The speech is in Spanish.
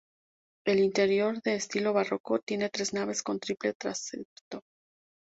El interior, de estilo barroco, tiene tres naves con triple transepto.